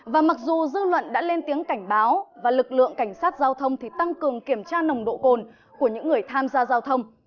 và mặc dù dư luận đã lên tiếng cảnh báo và lực lượng cảnh sát giao thông thì tăng cường kiểm tra nồng độ cồn của những người tham gia giao thông